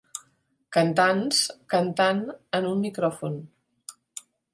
Cantants cantant en un micròfon.